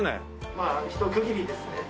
まあ一区切りですね。